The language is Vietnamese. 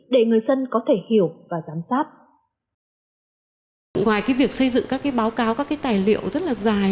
để người dân có thể hiểu và giám sát ngoài việc xây dựng các báo cáo các cái tài liệu rất là dài